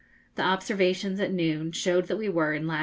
The observations at noon showed that we were in lat.